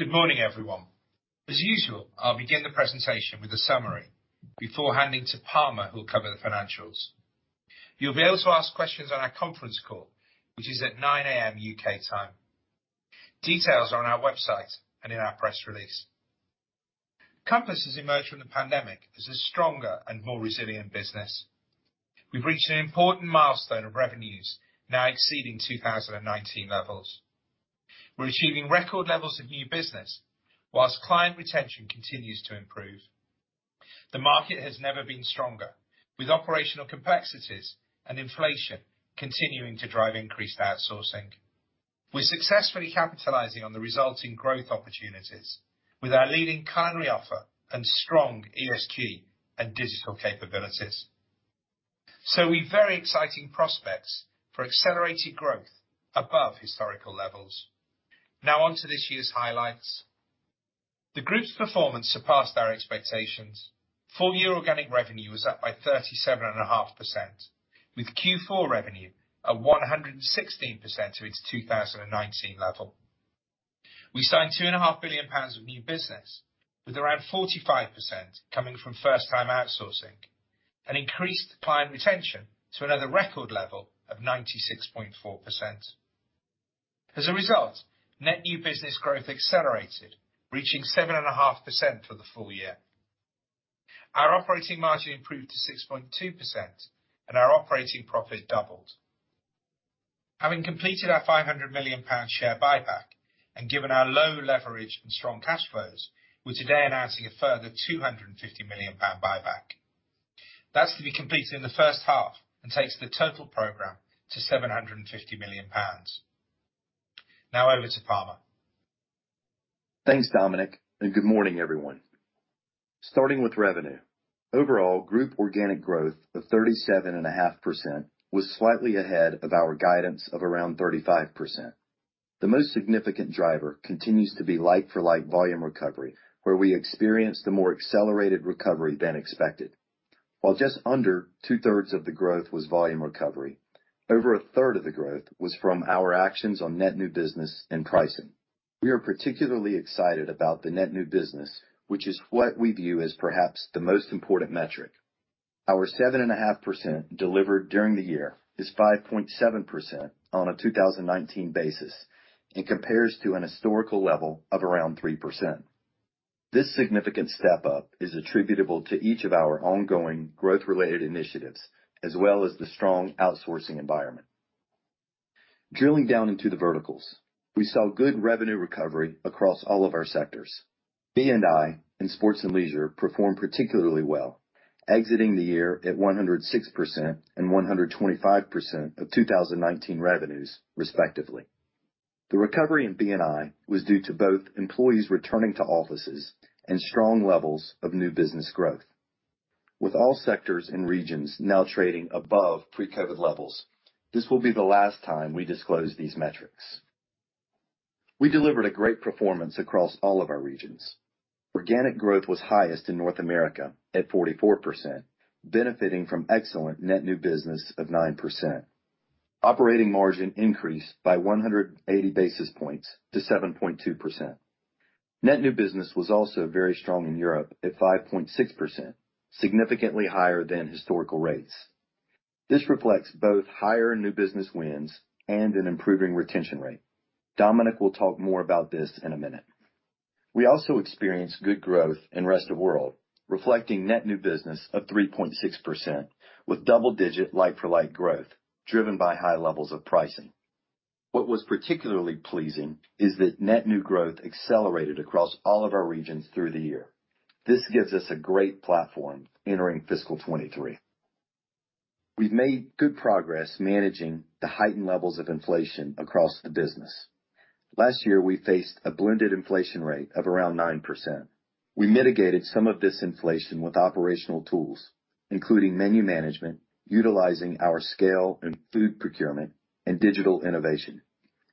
Good morning, everyone. As usual, I'll begin the presentation with a summary before handing to Palmer, who'll cover the financials. You'll be able to ask questions on our conference call, which is at 9:00 A.M. U.K. time. Details are on our website and in our press release. Compass has emerged from the pandemic as a stronger and more resilient business. We've reached an important milestone of revenues now exceeding 2019 levels. We're achieving record levels of new business, whilst client retention continues to improve. The market has never been stronger. With operational complexities and inflation continuing to drive increased outsourcing, we're successfully capitalizing on the resulting growth opportunities with our leading culinary offer and strong ESG and digital capabilities. We've very exciting prospects for accelerated growth above historical levels. Now on to this year's highlights. The group's performance surpassed our expectations. Full year organic revenue was up by 37.5%, with Q4 revenue at 116% to its 2019 level. We signed 2.5 billion pounds of new business, with around 45% coming from first-time outsourcing and increased client retention to another record level of 96.4%. As a result, net new business growth accelerated, reaching 7.5% for the full year. Our operating margin improved to 6.2% and our operating profit doubled. Having completed our 500 million pound share buyback and given our low leverage and strong cash flows, we're today announcing a further 250 million pound buyback. That's to be completed in the first half and takes the total program to 750 million pounds. Now over to Palmer. Thanks, Dominic. Good morning, everyone. Starting with revenue, overall group organic growth of 37.5% was slightly ahead of our guidance of around 35%. The most significant driver continues to be like-for-like volume recovery, where we experienced a more accelerated recovery than expected. While just under 2/3 of the growth was volume recovery, over 1/3 of the growth was from our actions on net new business and pricing. We are particularly excited about the net new business, which is what we view as perhaps the most important metric. Our 7.5% delivered during the year is 5.7% on a 2019 basis and compares to an historical level of around 3%. This significant step up is attributable to each of our ongoing growth-related initiatives as well as the strong outsourcing environment. Drilling down into the verticals, we saw good revenue recovery across all of our sectors. B&I and sports and leisure performed particularly well, exiting the year at 106% and 125% of 2019 revenues respectively. The recovery in B&I was due to both employees returning to offices and strong levels of net new business growth. With all sectors and regions now trading above pre-COVID levels, this will be the last time we disclose these metrics. We delivered a great performance across all of our regions. Organic growth was highest in North America at 44%, benefiting from excellent net new business of 9%. Operating margin increased by 180 basis points to 7.2%. Net new business was also very strong in Europe at 5.6%, significantly higher than historical rates. This reflects both higher new business wins and an improving retention rate. Dominic will talk more about this in a minute. We also experienced good growth in rest of world, reflecting Net new business of 3.6% with double digit like-for-like growth driven by high levels of pricing. What was particularly pleasing is that Net new growth accelerated across all of our regions through the year. This gives us a great platform entering fiscal 2023. We've made good progress managing the heightened levels of inflation across the business. Last year, we faced a blended inflation rate of around 9%. We mitigated some of this inflation with operational tools, including menu management, utilizing our scale in food procurement and digital innovation.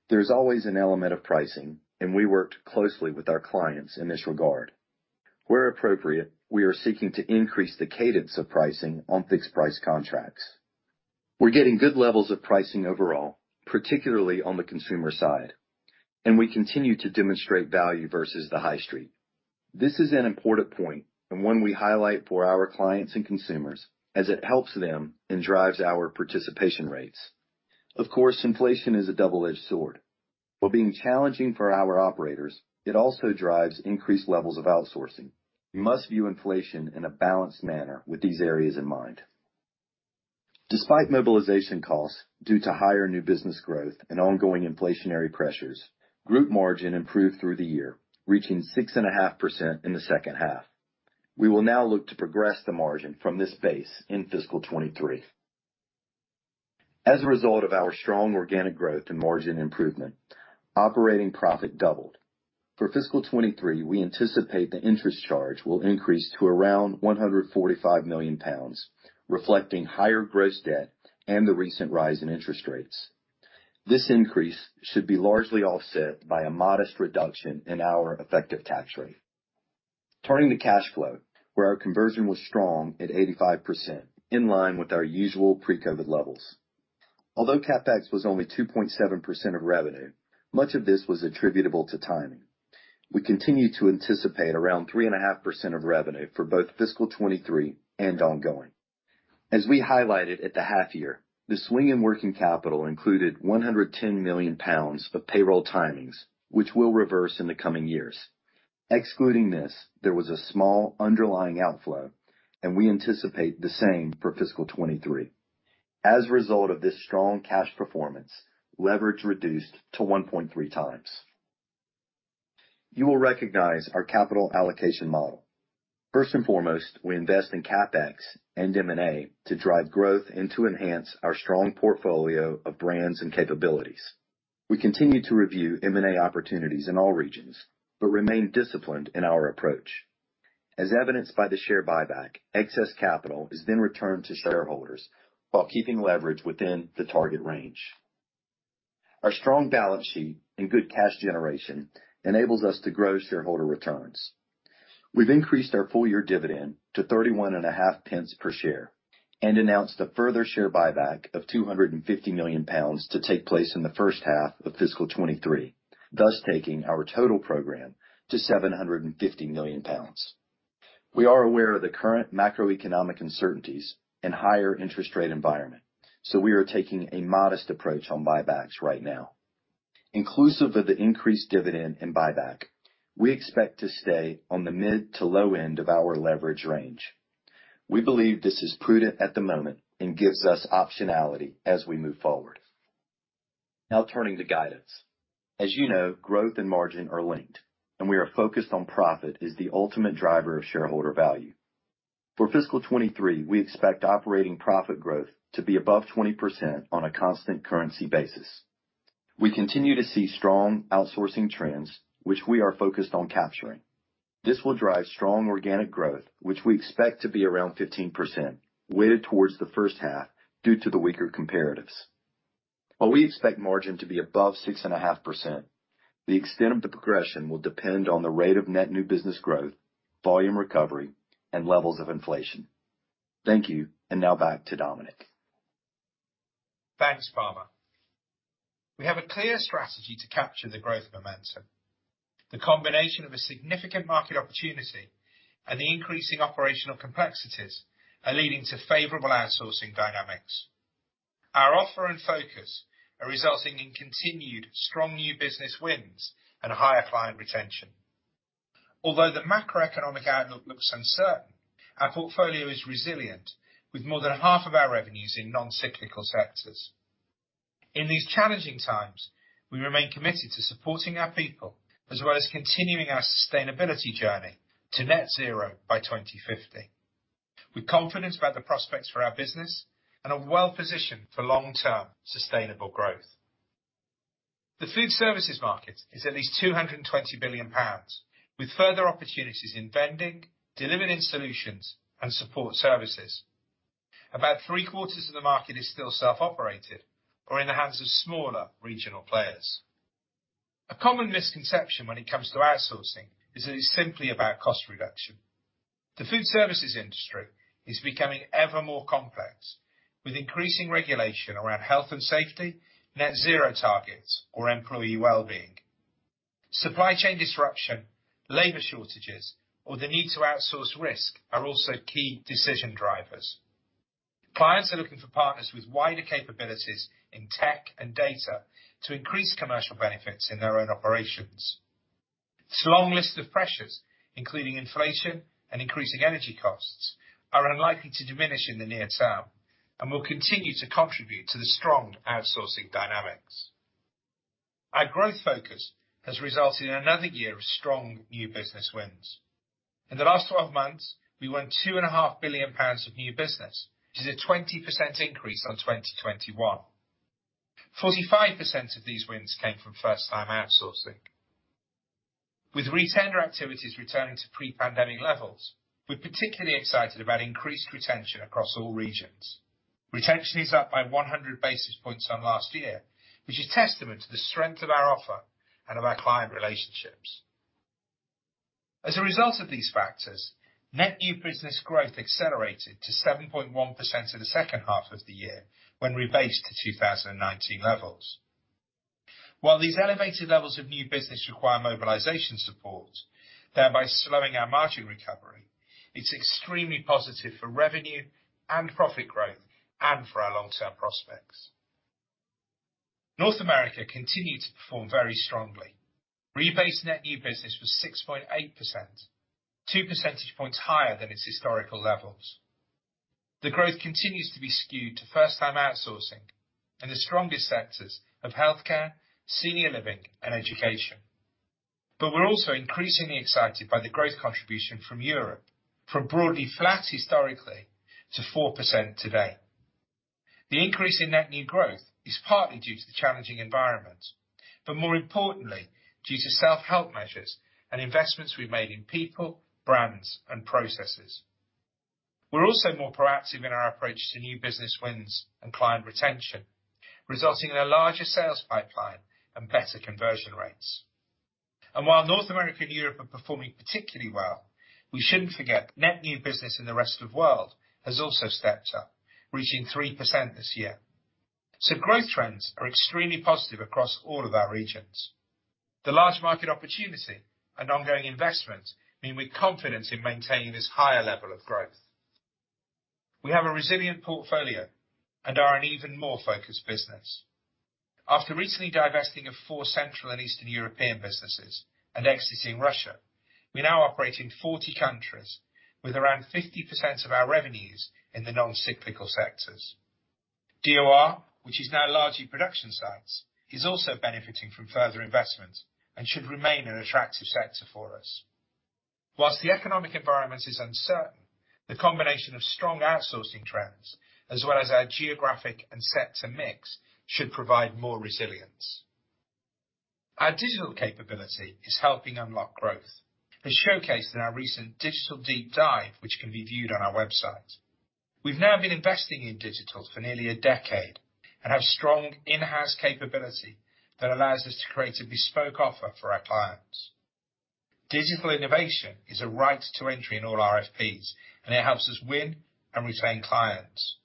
There's always an element of pricing, and we worked closely with our clients in this regard. Where appropriate, we are seeking to increase the cadence of pricing on fixed-price contracts. We're getting good levels of pricing overall, particularly on the consumer side, and we continue to demonstrate value versus the high street. This is an important point and one we highlight for our clients and consumers as it helps them and drives our participation rates. Of course, inflation is a double-edged sword. While being challenging for our operators, it also drives increased levels of outsourcing. We must view inflation in a balanced manner with these areas in mind. Despite mobilization costs due to higher new business growth and ongoing inflationary pressures, group margin improved through the year, reaching 6.5% in the second half. We will now look to progress the margin from this base in fiscal 2023. As a result of our strong organic growth and margin improvement, operating profit doubled. For fiscal 2023, we anticipate the interest charge will increase to around 145 million pounds, reflecting higher gross debt and the recent rise in interest rates. This increase should be largely offset by a modest reduction in our effective tax rate. Turning to cash flow, where our conversion was strong at 85% in line with our usual pre-COVID levels. Although CapEx was only 2.7% of revenue, much of this was attributable to timing. We continue to anticipate around 3.5% of revenue for both fiscal 2023 and ongoing. As we highlighted at the half year, the swing in working capital included 110 million pounds of payroll timings, which will reverse in the coming years. Excluding this, there was a small underlying outflow, and we anticipate the same for fiscal 2023. As a result of this strong cash performance, leverage reduced to 1.3x. You will recognize our capital allocation model. First and foremost, we invest in CapEx and M&A to drive growth and to enhance our strong portfolio of brands and capabilities. We continue to review M&A opportunities in all regions, but remain disciplined in our approach. As evidenced by the share buyback, excess capital is then returned to shareholders while keeping leverage within the target range. Our strong balance sheet and good cash generation enables us to grow shareholder returns. We've increased our full year dividend to 31.5 per share, and announced a further share buyback of 250 million pounds to take place in the first half of fiscal 2023, thus taking our total program to 750 million pounds. We are aware of the current macroeconomic uncertainties and higher interest rate environment. We are taking a modest approach on buybacks right now. Inclusive of the increased dividend and buyback, we expect to stay on the mid to low end of our leverage range. We believe this is prudent at the moment and gives us optionality as we move forward. Now turning to guidance. As you know, growth and margin are linked, and we are focused on profit as the ultimate driver of shareholder value. For fiscal 2023, we expect operating profit growth to be above 20% on a constant currency basis. We continue to see strong outsourcing trends, which we are focused on capturing. This will drive strong organic growth, which we expect to be around 15%, weighted towards the first half due to the weaker comparatives. While we expect margin to be above 6.5%, the extent of the progression will depend on the rate of net new business growth, volume recovery, and levels of inflation. Thank you, and now back to Dominic. Thanks, Palmer. We have a clear strategy to capture the growth momentum. The combination of a significant market opportunity and the increasing operational complexities are leading to favorable outsourcing dynamics. Our offer and focus are resulting in continued strong new business wins and higher client retention. Although the macroeconomic outlook looks uncertain, our portfolio is resilient with more than half of our revenues in non-cyclical sectors. In these challenging times, we remain committed to supporting our people, as well as continuing our sustainability journey to net zero by 2050. We're confident about the prospects for our business and are well-positioned for long-term sustainable growth. The food services market is at least 220 billion pounds, with further opportunities in vending, delivering solutions and support services. About 3/4 of the market is still self-operated or in the hands of smaller regional players. A common misconception when it comes to outsourcing is that it's simply about cost reduction. The food services industry is becoming ever more complex, with increasing regulation around health and safety, net zero targets or employee well-being. Supply chain disruption, labor shortages, or the need to outsource risk are also key decision drivers. Clients are looking for partners with wider capabilities in tech and data to increase commercial benefits in their own operations. This long list of pressures, including inflation and increasing energy costs, are unlikely to diminish in the near-term and will continue to contribute to the strong outsourcing dynamics. Our growth focus has resulted in another year of strong new business wins. In the last 12 months, we won 2.5 billion pounds of new business, which is a 20% increase on 2021. 45% of these wins came from first-time outsourcing. With retailer activities returning to pre-pandemic levels, we're particularly excited about increased retention across all regions. Retention is up by 100 basis points on last year, which is testament to the strength of our offer and of our client relationships. As a result of these factors, net new business growth accelerated to 7.1% in the second half of the year when rebased to 2019 levels. While these elevated levels of new business require mobilization support, thereby slowing our margin recovery, it's extremely positive for revenue and profit growth and for our long-term prospects. North America continued to perform very strongly. Rebased net new business was 6.8%, 2 percentage points higher than its historical levels. The growth continues to be skewed to first-time outsourcing in the strongest sectors of healthcare, senior living and education. We're also increasingly excited by the growth contribution from Europe, from broadly flat historically to 4% today. The increase in net new growth is partly due to the challenging environment, but more importantly due to self-help measures and investments we've made in people, brands and processes. We're also more proactive in our approach to new business wins and client retention, resulting in a larger sales pipeline and better conversion rates. While North America and Europe are performing particularly well, we shouldn't forget net new business in the rest of world has also stepped up, reaching 3% this year. Growth trends are extremely positive across all of our regions. The large market opportunity and ongoing investment mean with confidence in maintaining this higher level of growth. We have a resilient portfolio and are an even more focused business. After recently divesting of four central and eastern European businesses and exiting Russia, we now operate in 40 countries with around 50% of our revenues in the non-cyclical sectors. DOR, which is now largely production sites, is also benefiting from further investments and should remain an attractive sector for us. Whilst the economic environment is uncertain, the combination of strong outsourcing trends as well as our geographic and sector mix should provide more resilience. Our digital capability is helping unlock growth. As showcased in our recent digital deep dive, which can be viewed on our website. We've now been investing in digital for nearly a decade and have strong in-house capability that allows us to create a bespoke offer for our clients. Digital innovation is a right to entry in all RFPs, and it helps us win and retain clients.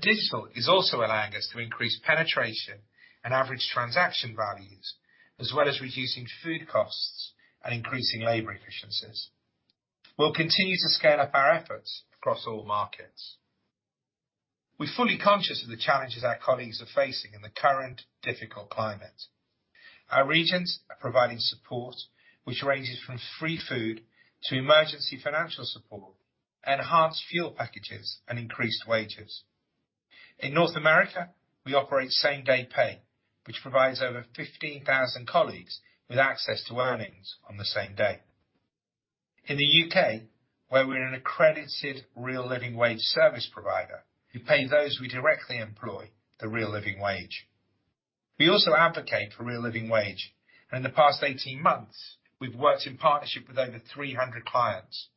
Digital is also allowing us to increase penetration and average transaction values, as well as reducing food costs and increasing labor efficiencies. We'll continue to scale up our efforts across all markets. We're fully conscious of the challenges our colleagues are facing in the current difficult climate. Our regions are providing support, which ranges from free food to emergency financial support, enhanced fuel packages, and increased wages. In North America, we operate Same day pay, which provides over 15,000 colleagues with access to earnings on the same day. In the U.K., where we are an accredited Real Living Wage service provider, we pay those we directly employ the real Living Wage. We also advocate for real Living Wage. In the past 18 months, we've worked in partnership with over 300 clients,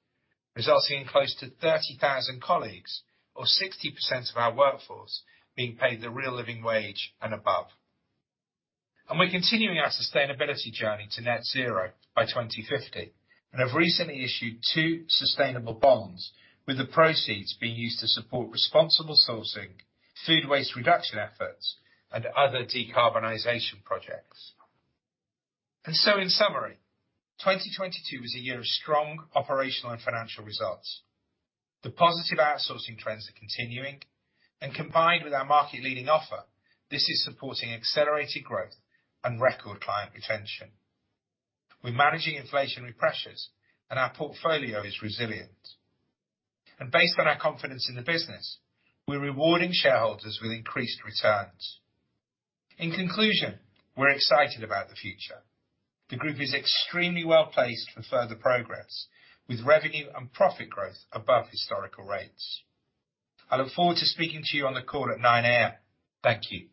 resulting in close to 30,000 colleagues or 60% of our workforce being paid the real Living Wage and above. We're continuing our sustainability journey to net zero by 2050, and have recently issued two sustainability bonds with the proceeds being used to support responsible sourcing, food waste reduction efforts, and other decarbonization projects. In summary, 2022 is a year of strong operational and financial results. The positive outsourcing trends are continuing, and combined with our market-leading offer, this is supporting accelerated growth and record client retention. We're managing inflationary pressures and our portfolio is resilient. Based on our confidence in the business, we're rewarding shareholders with increased returns. In conclusion, we're excited about the future. The group is extremely well-placed for further progress with revenue and profit growth above historical rates. I look forward to speaking to you on the call at 9:00 A.M. Thank you.